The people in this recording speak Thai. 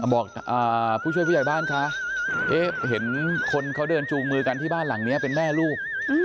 บอกผู้ช่วยผู้ใหญ่บ้านคะเห็นคนเขาเดินจูงมือกันที่บ้านหลังนี้เป็นแม่ลูก